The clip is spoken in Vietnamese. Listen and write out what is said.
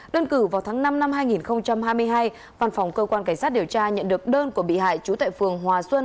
đơn cử vào tháng năm năm hai nghìn hai mươi hai văn phòng cơ quan cảnh sát điều tra nhận được đơn của bị hại trú tại phường hòa xuân